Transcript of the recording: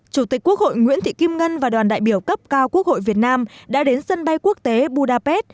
chủ tịch quốc hội nguyễn thị kim ngân và đoàn đại biểu cấp cao quốc hội việt nam đã đến sân bay quốc tế budapest